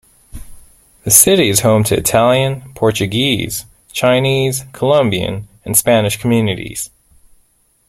The city is home to Italian, Portuguese, Chinese, Colombian and Spanish communities.